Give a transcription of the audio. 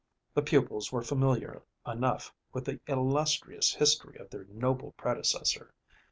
The pupils were familiar enough with the illustrious history of their noble predecessor.